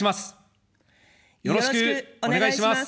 よろしくお願いします。